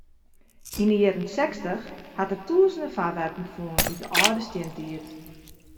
Yn de jierren sechstich hat er tûzenen foarwerpen fûn út de âlde stientiid.